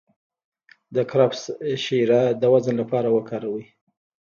د کرفس شیره د وزن لپاره وکاروئ